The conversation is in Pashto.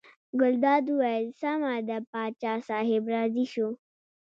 ګلداد وویل سمه ده پاچا صاحب راضي شو.